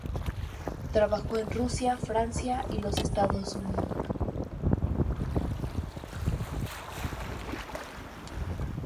Trabajó en Rusia, Francia y los Estados Unidos.